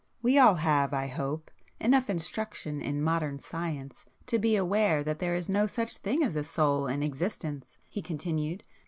"We all have, I hope, enough instruction in modern science to be aware that there is no such thing as a soul in existence"—he continued.